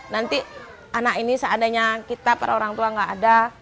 nanti anak ini seandainya kita para orang tua nggak ada